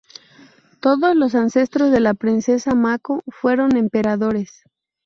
Todos los ancestros de la princesa Mako fueron emperadores.